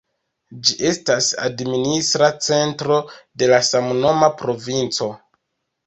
Ĝi estas administra centro de la samnoma provinco.